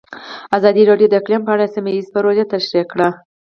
ازادي راډیو د اقلیم په اړه سیمه ییزې پروژې تشریح کړې.